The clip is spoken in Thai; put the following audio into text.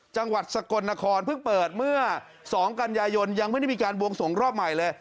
จังหวัดสกลนครเพิ่งเปิดเมื่อ๒กันยายนยังไม่ได้มีการบวงสวงรอบใหม่เลย